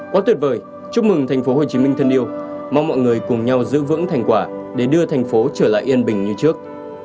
quá tuyệt vời chúc mừng tp hcm thân yêu mong mọi người cùng nhau giữ vững thành quả để đưa thành phố trở lại yên bình như trước